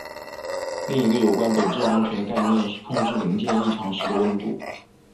另一个有关本质安全的概念是控制零件异常时的温度。